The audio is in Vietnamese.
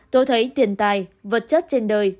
tôi thấy tiền tài vật chất trên đời